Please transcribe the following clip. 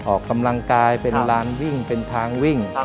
ออกกำลังกายเป็นลานวิ่งเป็นทางวิ่ง